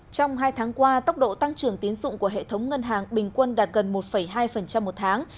trong hai tháng qua tốc độ tăng trưởng tiến dụng của hệ thống ngân hàng bình quân đạt gần một hai một tháng